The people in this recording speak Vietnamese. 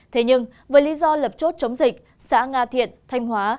thế nhưng với lý do lập chốt chống dịch xã nga thiện thanh hóa